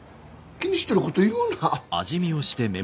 気にしてること言うな。